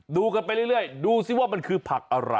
ดูกันไปเรื่อยดูสิว่ามันคือผักอะไร